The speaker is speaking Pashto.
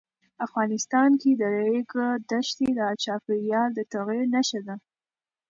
افغانستان کې د ریګ دښتې د چاپېریال د تغیر نښه ده.